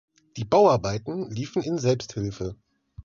Die Bauarbeiten liefen in Selbsthilfe.